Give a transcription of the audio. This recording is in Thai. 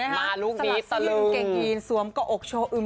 สลับซึ่งเก่งอีนสวมกะอกโชอึม